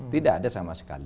tidak ada sama sekali